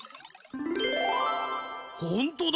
ほんとだ。